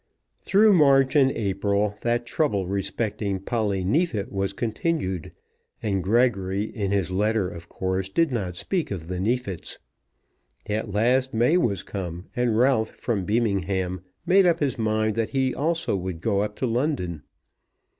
Through March and April that trouble respecting Polly Neefit was continued, and Gregory in his letter of course did not speak of the Neefits. At last May was come, and Ralph from Beamingham made up his mind that he also would go up to London.